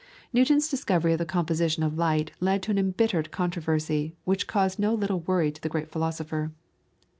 Newton's discovery of the composition of light led to an embittered controversy, which caused no little worry to the great Philosopher.